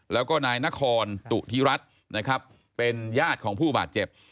แล้วก็นายนครตุธิรัฐนะครับเป็นญาติของผู้บาดเจ็บ